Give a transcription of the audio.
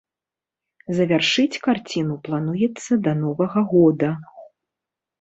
Завяршыць карціну плануецца да новага года.